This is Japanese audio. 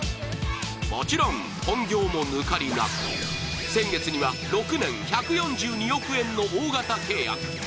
もちろん本業も抜かりなく先月には６年１４２億円の大型契約。